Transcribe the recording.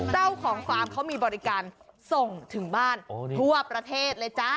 เจ้าของฟาร์มเขามีบริการส่งถึงบ้านทั่วประเทศเลยจ้า